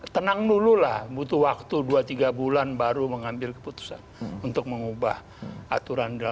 tenang dulu lah butuh waktu dua tiga bulan baru mengambil keputusan untuk mengubah aturan